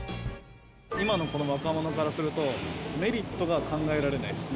今のこの若者からするとメリットが考えられないです